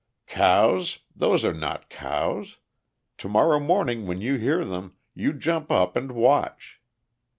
"Cows? Those are not cows. To morrow morning when you hear them, you jump up and watch."